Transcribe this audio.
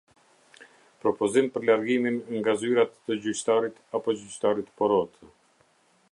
Propozim për largimin nga zyra të gjyqtarit apo gjyqtarit porotë.